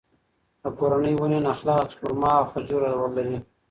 د کورنۍ ونې نخله، خورما او خجوره لري.